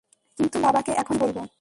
কিন্তু বাবাকে এখন আমি কী বলব?